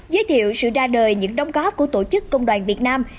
giới thiệu sự ra đời những đóng góp của tổ chức công đoàn việt nam